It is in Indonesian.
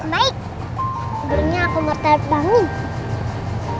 baik burungnya aku mau terbangin